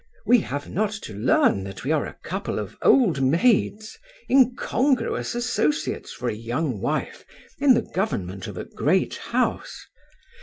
" We have not to learn that we are a couple of old maids, incongruous associates for a young wife in the government of a great house."